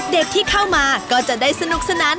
เด็กที่เข้ามาก็จะได้สนุกสนาน